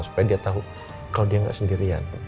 supaya dia tau kalo dia gak sendirian